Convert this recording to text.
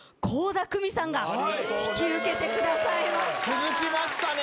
続きましたね